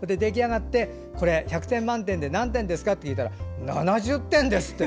出来上がって１００点満点で何点ですか？と聞いたら７０点ですって。